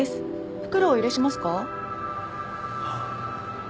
袋お入れしますか？